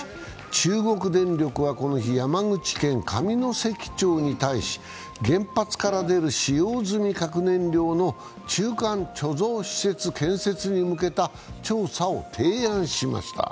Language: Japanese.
中国電力は、この日山口県上関町に対し原発から出る使用済み核燃料の中間貯蔵施設建設に向けた調査を提案しました。